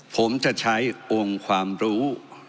ผมจะใช้องค์ความรู้